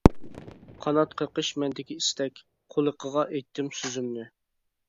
قانات قېقىش مەندىكى ئىستەك، قۇلىقىغا ئېيتتىم سۆزۈمنى.